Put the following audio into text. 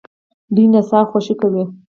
دوی نڅا او خوښي کوي.